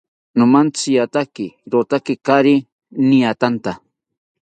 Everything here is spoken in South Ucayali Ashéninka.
Nomantziatake rotaki kaari niatanta